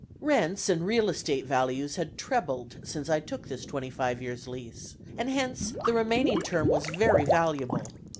Rents and real estate values had trebled since I took this twenty five years' lease, and hence the remaining term was very valuable.